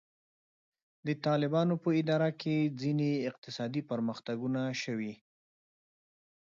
د طالبانو په اداره کې ځینې اقتصادي پرمختګونه شوي.